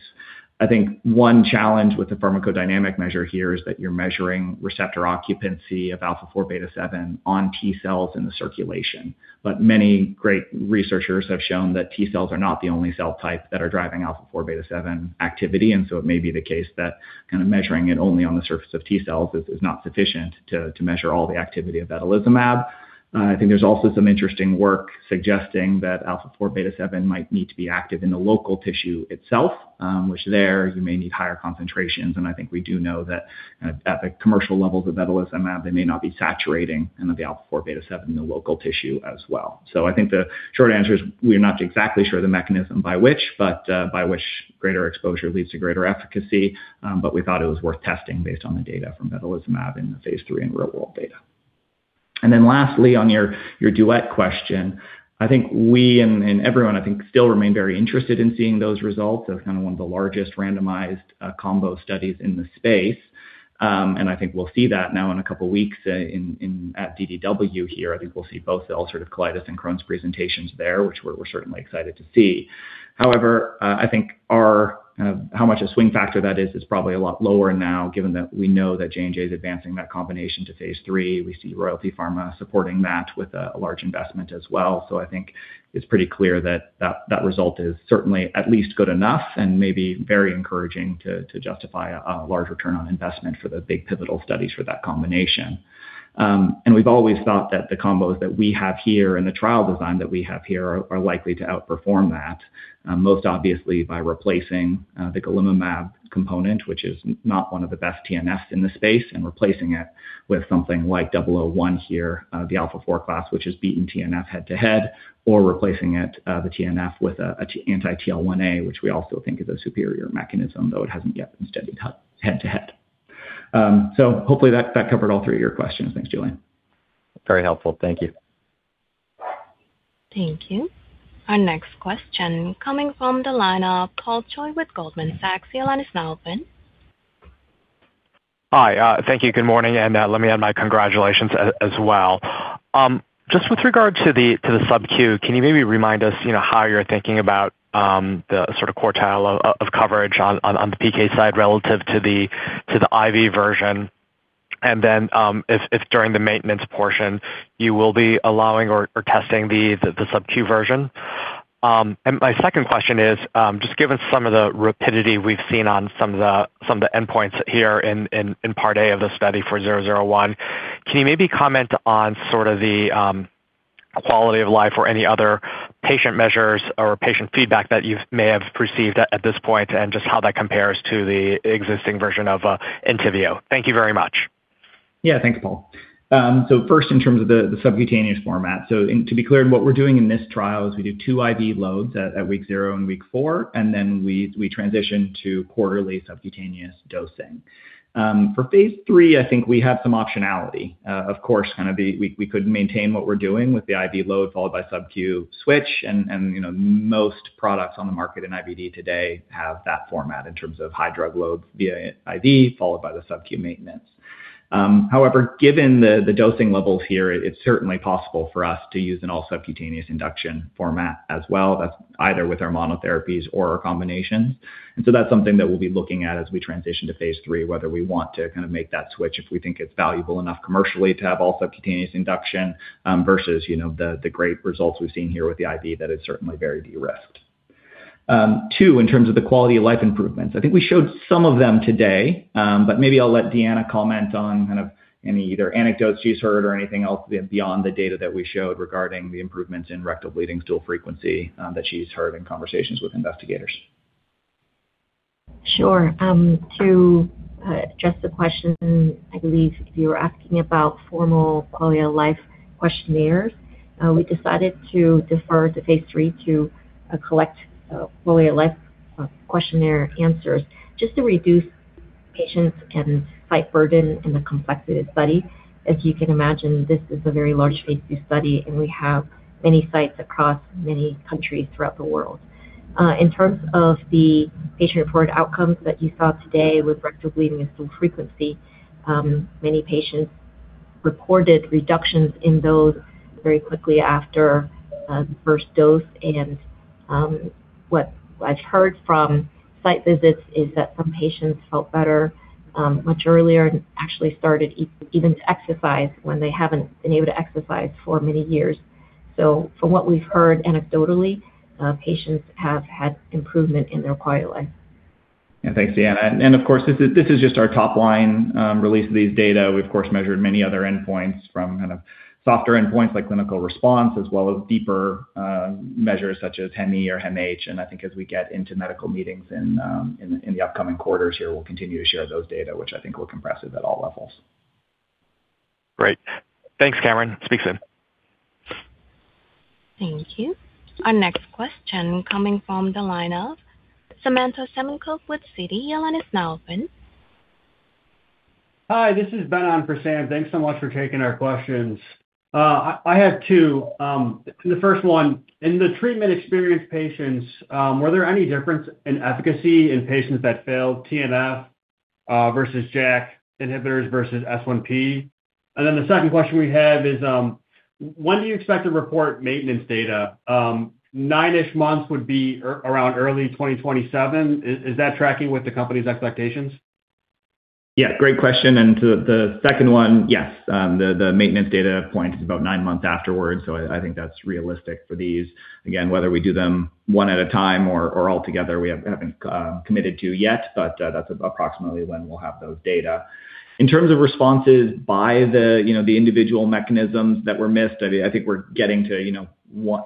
I think one challenge with the pharmacodynamic measure here is that you're measuring receptor occupancy of alpha-4 beta-7 on T-cells in the circulation. Many great researchers have shown that T cells are not the only cell type that are driving alpha-4 beta-7 activity, and so it may be the case that kind of measuring it only on the surface of T cells is not sufficient to measure all the activity of vedolizumab. I think there's also some interesting work suggesting that alpha-4 beta-7 might need to be active in the local tissue itself, which there you may need higher concentrations. I think we do know that at the commercial levels of vedolizumab, they may not be saturating all the alpha-4 beta-7 in the local tissue as well. I think the short answer is we're not exactly sure the mechanism by which greater exposure leads to greater efficacy.. We thought it was worth testing based on the data from vedolizumab in the Phase 3 and real-world data. Lastly, on your DUET question, I think we and everyone, I think, still remain very interested in seeing those results. That was kind of one of the largest randomized combo studies in the space. I think we'll see that now in a couple of weeks at DDW here. I think we'll see both the ulcerative colitis and Crohn's presentations there, which we're certainly excited to see. However, I think how much a swing factor that is probably a lot lower now, given that we know that J&J is advancing that combination to Phase 3. We see Royalty Pharma supporting that with a large investment as well. I think it's pretty clear that result is certainly at least good enough and maybe very encouraging to justify a large return on investment for the big pivotal studies for that combination. We've always thought that the combos that we have here and the trial design that we have here are likely to outperform that, most obviously by replacing the golimumab component, which is not one of the best TNFs in the space, and replacing it with something like SPY001 here, the alpha-4 class, which has beaten TNF head-to-head, or replacing it, the TNF, with an anti-TL1A, which we also think is a superior mechanism, though it hasn't yet been studied head-to-head. Hopefully that covered all three of your questions. Thanks, Julian. Very helpful. Thank you. Thank you. Our next question coming from the line of Paul Choi with Goldman Sachs. The line is now open. Hi. Thank you. Good morning. Let me add my congratulations as well. Just with regard to the subQ, can you maybe remind us how you're thinking about the sort of quartile of coverage on the PK side relative to the IV version? If during the maintenance portion, you will be allowing or testing the subQ version? My second question is, just given some of the rapidity we've seen on some of the endpoints here in Part A of the study for 001, can you maybe comment on sort of the quality of life or any other patient measures or patient feedback that you may have perceived at this point and just how that compares to the existing version of Entyvio? Thank you very much. Yeah, thanks, Paul. First, in terms of the subcutaneous format. To be clear, what we're doing in this trial is we do two IV loads at week zero and week four, and then we transition to quarterly subcutaneous dosing. For Phase 3, I think we have some optionality. Of course, we could maintain what we're doing with the IV load followed by subQ switch, and most products on the market in IBD today have that format in terms of high drug loads via IV, followed by the subQ maintenance. However, given the dosing levels here, it's certainly possible for us to use an all-subcutaneous induction format as well. That's either with our monotherapies or our combinations. That's something that we'll be looking at as we transition to Phase 3, whether we want to kind of make that switch, if we think it's valuable enough commercially to have all subcutaneous induction versus the great results we've seen here with the IV that is certainly very de-risked. Two, in terms of the quality-of-life improvements, I think we showed some of them today, but maybe I'll let Deanna comment on kind of any either anecdotes she's heard or anything else beyond the data that we showed regarding the improvements in rectal bleeding, stool frequency that she's heard in conversations with investigators. Sure. To address the question, I believe you were asking about formal quality-of-life questionnaires. We decided to defer to Phase 3 to collect quality-of-life questionnaire answers just to reduce patients and site burden in the contemplated study. As you can imagine, this is a very large Phase 3 study, and we have many sites across many countries throughout the world. In terms of the patient-reported outcomes that you saw today with rectal bleeding and stool frequency, many patients reported reductions in those very quickly after the first dose. What I've heard from site visits is that some patients felt better much earlier and actually started even to exercise when they haven't been able to exercise for many years. From what we've heard anecdotally, patients have had improvement in their quality of life. Yeah. Thanks, Deanna. Of course, this is just our top-line release of these data. We, of course, measured many other endpoints from kind of softer endpoints like clinical response as well as deeper measures such as HEMI or HEMH. I think as we get into medical meetings in the upcoming quarters here, we'll continue to share those data, which I think were impressive at all levels. Great. Thanks, Cameron. Speak soon. Thank you. Our next question coming from the line of Samantha Semenkow with Citi. Your line is now open. Hi, this is Ben on for Sam. Thanks so much for taking our questions. I have two. The first one, in the treatment-experienced patients, were there any difference in efficacy in patients that failed TNF versus JAK inhibitors versus S1P? The second question we have is, when do you expect to report maintenance data? Nine-ish months would be around early 2027. Is that tracking with the company's expectations? Yeah, great question. To the second one, yes. The maintenance data point is about nine months afterwards, so I think that's realistic for these. Again, whether we do them one at a time or all together, we haven't committed to yet. That's approximately when we'll have those data. In terms of responses by the individual mechanisms that were missed, I think we're getting to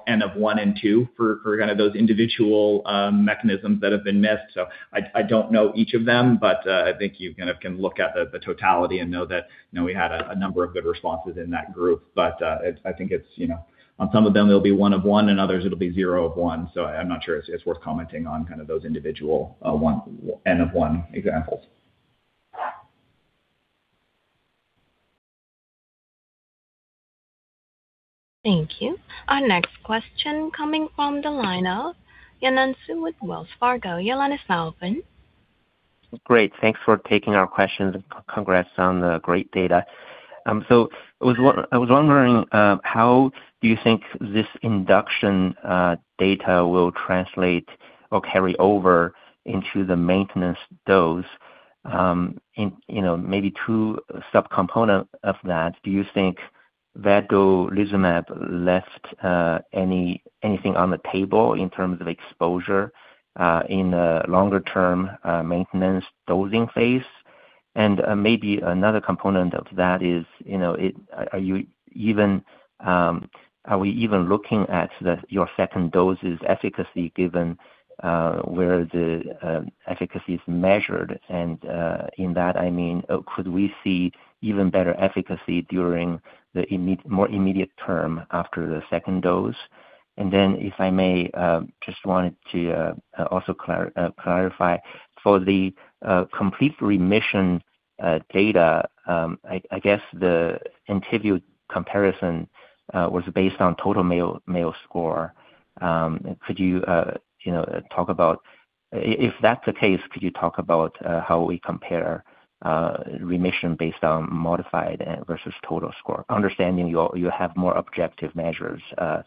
N of one and two for those individual mechanisms that have been missed. I don't know each of them, but I think you can look at the totality and know that we had a number of good responses in that group. I think on some of them, it'll be one of one, and others it'll be zero of one. I'm not sure it's worth commenting on those individual N of one examples. Thank you. Our next question coming from the line of Yinan Xu with Wells Fargo. Your line is now open. Great. Thanks for taking our questions, and congrats on the great data. I was wondering, how do you think this induction data will translate or carry over into the maintenance dose? Maybe two subcomponent of that, do you think vedolizumab left anything on the table in terms of exposure, in a longer-term maintenance dosing phase? Maybe another component of that is, are we even looking at your second dose's efficacy given where the efficacy is measured? In that, I mean, could we see even better efficacy during the more immediate term after the second dose? If I may, just wanted to also clarify, for the complete remission data, I guess the Entyvio comparison was based on total Mayo score. If that's the case, could you talk about how we compare remission based on modified versus total score? Understanding you have more objective measures. I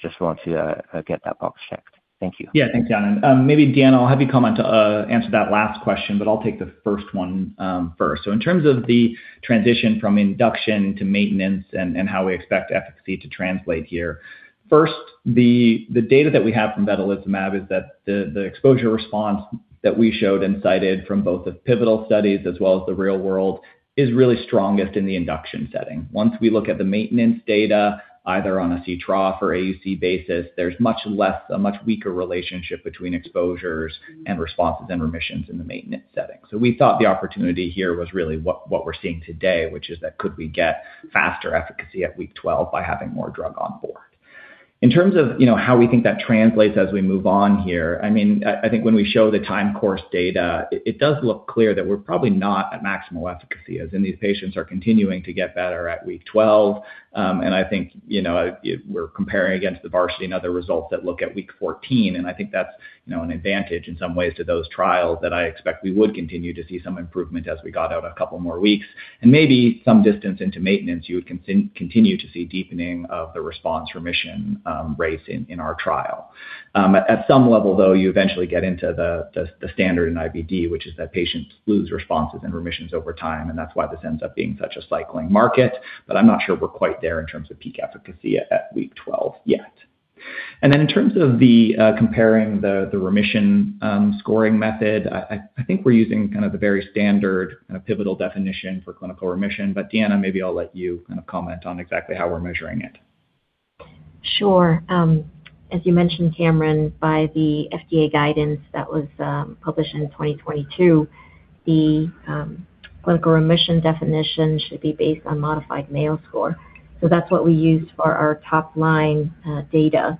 just want to get that box checked. Thank you. Yeah. Thanks, Yinan. Maybe Deanna, I'll have you answer that last question, but I'll take the first one first. In terms of the transition from induction to maintenance and how we expect efficacy to translate here, first, the data that we have from vedolizumab is that the exposure response that we showed and cited from both the pivotal studies as well as the real world is really strongest in the induction setting. Once we look at the maintenance data, either on a C-trough or AUC basis, there's a much weaker relationship between exposures and responses and remissions in the maintenance setting. We thought the opportunity here was really what we're seeing today, which is that could we get faster efficacy at week 12 by having more drug on board. In terms of how we think that translates as we move on here, I think when we show the time course data, it does look clear that we're probably not at maximal efficacy, as in these patients are continuing to get better at week 12. I think we're comparing against the VARSITY and other results that look at week 14, and I think that's an advantage in some ways to those trials that I expect we would continue to see some improvement as we got out a couple more weeks. Maybe some distance into maintenance, you would continue to see deepening of the response remission rates in our trial. At some level, though, you eventually get into the standard in IBD, which is that patients lose responses and remissions over time, and that's why this ends up being such a cycling market. I'm not sure we're quite there in terms of peak efficacy at week 12 yet. In terms of comparing the remission scoring method, I think we're using the very standard pivotal definition for clinical remission. Deanna, maybe I'll let you comment on exactly how we're measuring it. Sure. As you mentioned, Cameron, by the FDA guidance that was published in 2022, the clinical remission definition should be based on modified Mayo score. That's what we used for our top-line data.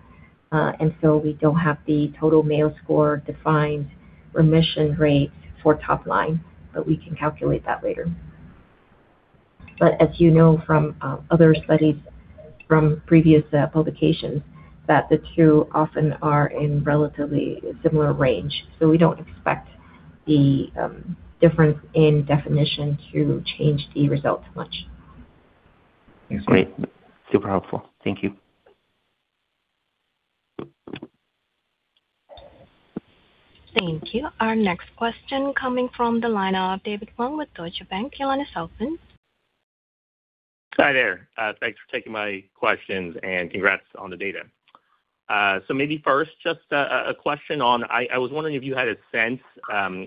We don't have the total Mayo score defined remission rates for top line, but we can calculate that later. As you know from other studies from previous publications, that the two often are in relatively similar range. We don't expect the difference in definition to change the results much. Thanks. Great, super helpful. Thank you. Thank you. Our next question coming from the line of David Hoang with Deutsche Bank. Your line is open. Hi there. Thanks for taking my questions, and congrats on the data. Maybe first, just a question on, I was wondering if you had a sense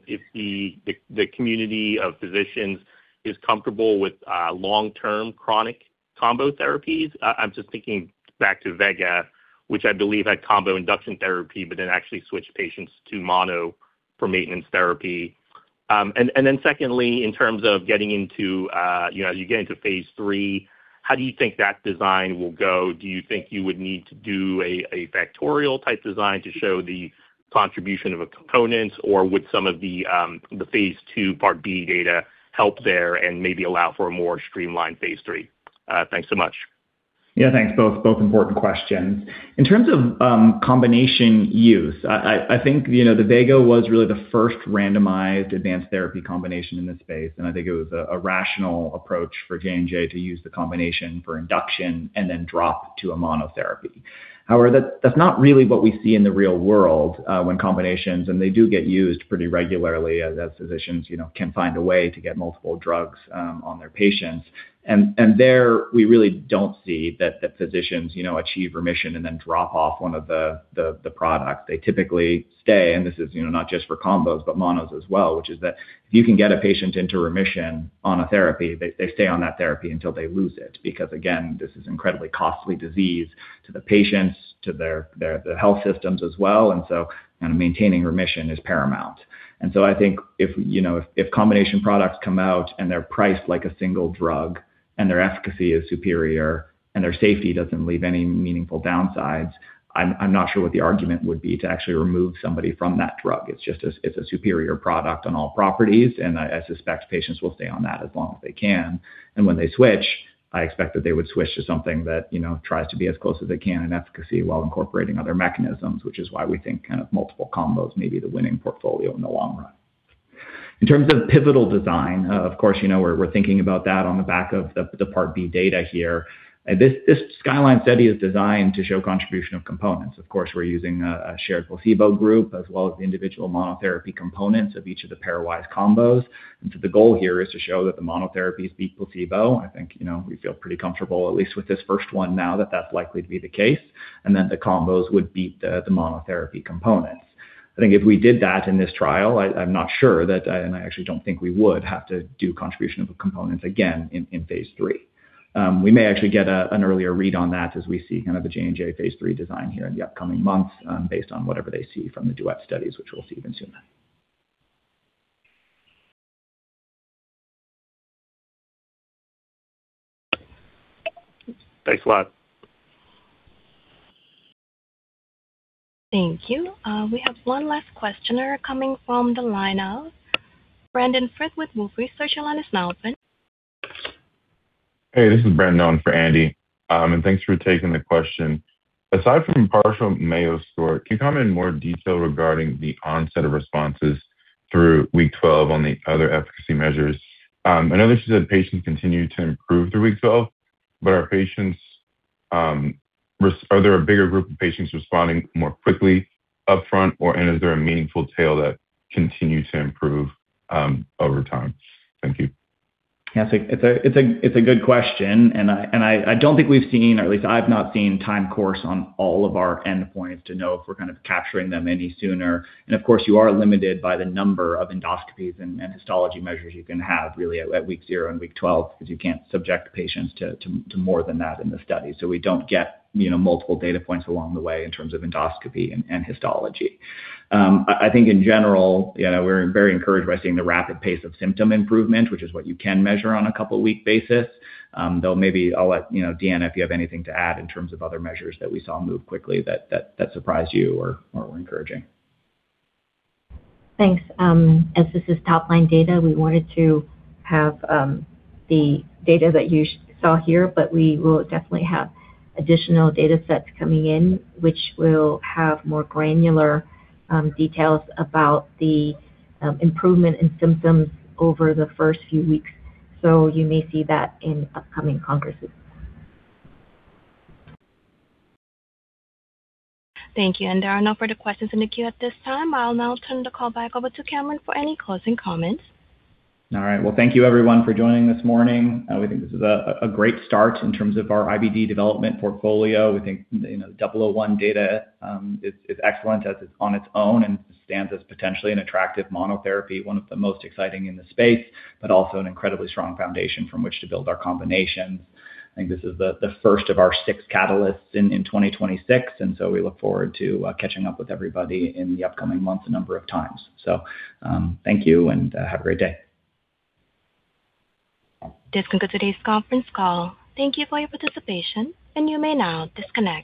if the community of physicians is comfortable with long-term chronic combo therapies. I'm just thinking back to VEGA, which I believe had combo induction therapy, but then actually switched patients to mono for maintenance therapy. Secondly, in terms of as you get into Phase 3, how do you think that design will go? Do you think you would need to do a factorial type design to show the contribution of a component, or would some of the Phase 2 Part B data help there and maybe allow for a more streamlined Phase 3? Thanks so much. Yeah, thanks. Both important questions. In terms of combination use, I think the VEGA was really the first randomized advanced therapy combination in this space, and I think it was a rational approach for J&J to use the combination for induction and then drop to a monotherapy. However, that's not really what we see in the real world when combinations, and they do get used pretty regularly as physicians can find a way to get multiple drugs on their patients. There, we really don't see that the physicians achieve remission and then drop off one of the products. They typically stay, and this is not just for combos but monos as well, which is that if you can get a patient into remission on a therapy, they stay on that therapy until they lose it. Because, again, this is incredibly costly disease to the patients, to their health systems as well, and so maintaining remission is paramount. I think if combination products come out and they're priced like a single drug, and their efficacy is superior, and their safety doesn't leave any meaningful downsides, I'm not sure what the argument would be to actually remove somebody from that drug. It's a superior product on all properties, and I suspect patients will stay on that as long as they can. When they switch, I expect that they would switch to something that tries to be as close as it can in efficacy while incorporating other mechanisms, which is why we think kind of multiple combos may be the winning portfolio in the long run. In terms of pivotal design, of course, we're thinking about that on the back of the Part B data here. This SKYLINE study is designed to show contribution of components. Of course, we're using a shared placebo group as well as individual monotherapy components of each of the pairwise combos. The goal here is to show that the monotherapies beat placebo. I think we feel pretty comfortable, at least with this first one, now that that's likely to be the case, and that the combos would beat the monotherapy components. I think if we did that in this trial, I'm not sure that, and I actually don't think we would have to do contribution of the components again in Phase 3. We may actually get an earlier read on that as we see kind of the J&J Phase 3 design here in the upcoming months, based on whatever they see from the DUET studies, which we'll see even sooner. Thanks a lot. Thank you. We have one last questioner coming from the line of Brandon Frith with Wolfe Research. Your line is now open. Hey, this is Brandon for Andy. Thanks for taking the question. Aside from partial Mayo Score, can you comment in more detail regarding the onset of responses through week 12 on the other efficacy measures? I know patients continue to improve through week 12. Are there a bigger group of patients responding more quickly upfront, and is there a meaningful tail that continues to improve over time? Thank you. Yeah. It's a good question, and I don't think we've seen, or at least I've not seen time course on all of our endpoints to know if we're kind of capturing them any sooner. Of course, you are limited by the number of endoscopies and histology measures you can have really at week zero and week 12 because you can't subject patients to more than that in the study. We don't get multiple data points along the way in terms of endoscopy and histology. I think in general, we're very encouraged by seeing the rapid pace of symptom improvement, which is what you can measure on a couple week basis. Though maybe I'll let Deanna, if you have anything to add in terms of other measures that we saw move quickly that surprised you or were encouraging. Thanks. As this is top-line data, we wanted to have the data that you saw here, but we will definitely have additional data sets coming in, which will have more granular details about the improvement in symptoms over the first few weeks. You may see that in upcoming congresses. Thank you. There are no further questions in the queue at this time. I'll now turn the call back over to Cameron for any closing comments. All right. Well, thank you, everyone, for joining this morning. We think this is a great start in terms of our IBD development portfolio. We think SPY001 data is excellent as it's on its own and stands as potentially an attractive monotherapy, one of the most exciting in the space, but also an incredibly strong foundation from which to build our combinations. I think this is the first of our six catalysts in 2026, and so we look forward to catching up with everybody in the upcoming months a number of times. Thank you, and have a great day. This concludes today's conference call. Thank you for your participation, and you may now disconnect.